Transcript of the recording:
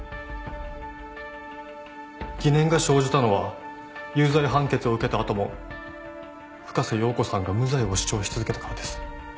疑念が生じたのは有罪判決を受けた後も深瀬瑤子さんが無罪を主張し続けたからです。